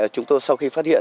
chúng tôi sau khi phát hiện